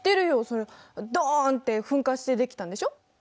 そりゃドンって噴火して出来たんでしょ？